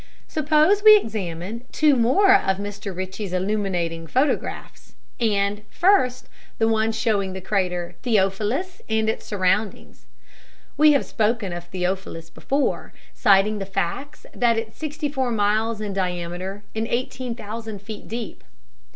Suppose we examine two more of Mr Ritchey's illuminating photographs, and, first, the one showing the crater Theophilus and its surroundings. We have spoken of Theophilus before, citing the facts that it is sixty four miles in diameter and eighteen thousand feet deep.